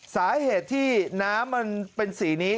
สาเหตุที่น้ำมันเป็นสีนี้